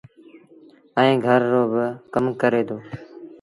ائيٚݩ گھر رو با ڪم ڪري دو۔